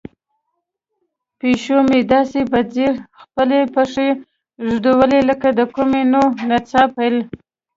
پیشو مې داسې په ځیر خپلې پښې ږدوي لکه د کومې نوې نڅا پیل.